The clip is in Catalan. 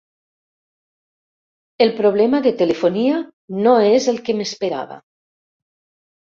El problema de telefonia no és el que m'esperava.